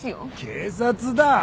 警察だあ？